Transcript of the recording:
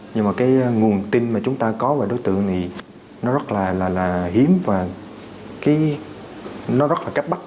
nhưng mà cái nguồn tin mà chúng ta có về đối tượng thì nó rất là hiếm và nó rất là cách bắt